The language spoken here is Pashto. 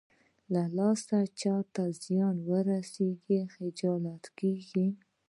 له لاسه چاته زيان ورسېږي خجالته کېږي.